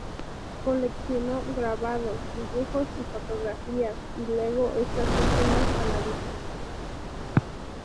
Coleccionó grabados, dibujos y fotografías, y legó estas últimas a la Biblioteca Nacional.